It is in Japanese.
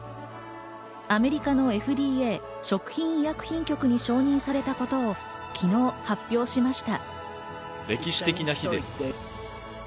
アメリカのＦＤＡ＝食品医薬品局に承認されたことを昨日発表しました。